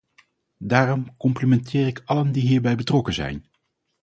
Daarom complimenteer ik allen die hierbij betrokken zijn.